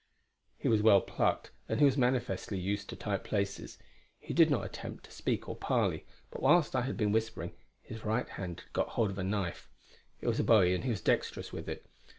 He was well plucked, and he was manifestly used to tight places. He did not attempt to speak or parley; but whilst I had been whispering, his right hand had got hold of a knife. It was a bowie, and he was dexterous with it.